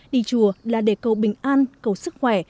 đi chùa là để cầu bình an cầu sức khỏe